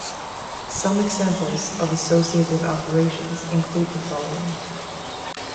Some examples of associative operations include the following.